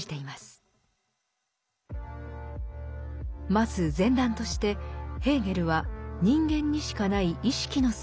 まず前段としてヘーゲルは人間にしかない意識の姿を提示します。